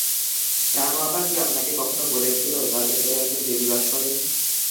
রানু আপা কি আপনাকে কখনো বলেছিল, তার ভেতরে একজন দেবী বাস করেন?